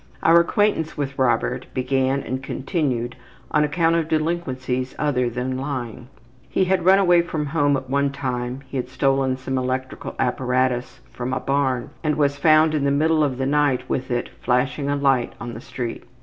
Our acquaintance with Robert began and continued on account of delinquencies other than lying. He had run away from home at one time, he had stolen some electrical apparatus from a barn and was found in the middle of the night with it flashing a light on the street.